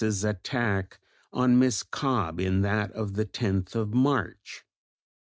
's" attack on Miss Cobbe in that of the 10th of March.